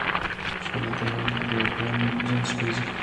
شدید تمرین ګلایکوجن سوځوي.